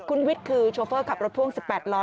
คุณวิทย์คือโชเฟอร์ขับรถพ่วง๑๘ล้อ